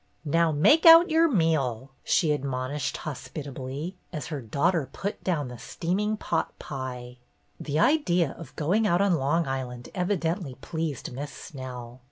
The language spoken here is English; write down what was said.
"Now make out your meal," she admonished hospitably, as her daughter put down the steaming potpie. The idea of going out on Long Island evi dently pleased Miss Snell.